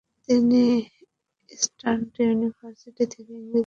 তিনি Eastern University থেকে ইংরেজি বিষয়ে স্নাতক সম্পন্ন করেন।